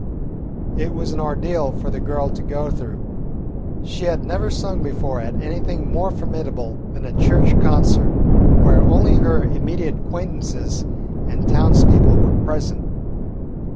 It was an ordeal for the girl to go through. She had never sung before at anything more formidable than a church concert, where only her immediate acquaintances and townspeople were present.